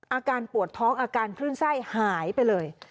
อาการปวดท้องอาการคลื่นไส้หายไปเลย